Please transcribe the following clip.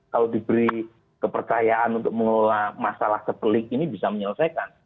kalau diberi kepercayaan untuk mengelola masalah kepelik ini bisa menyelesaikan